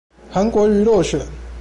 韓國瑜落選